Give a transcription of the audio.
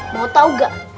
mau tahu gak